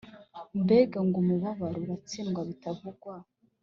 Mbega ng’ umubabaro uratsindwa bitavugwa!